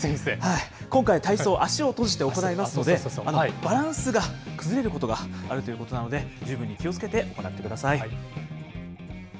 今回、体操、足を閉じて行いますので、バランスが崩れることがあるということなので、十分に気をつけて行ってください。